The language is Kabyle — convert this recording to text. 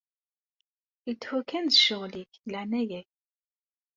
Lethu kan d ccɣel-ik, deg leɛnaya-k.